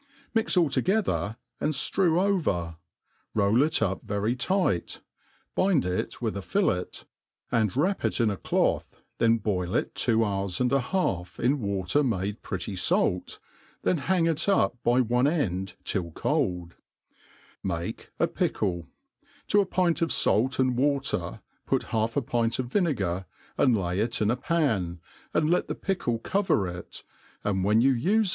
Mix all together, and Jifcw over % rail it up very, tight, bind it with a fillet, and / S3 ' wra^ f * ftfia THE ART OF COOKERY wrap it in a cloth, then boil it two hours and a half in watflis made pretty fait, then bang it up by one end^till cold. Make a pickle : to a pint of fait and water put half a pint of vinegar^ and lay it in a pan, and let the pickle cover i^;; and when yoin ufe.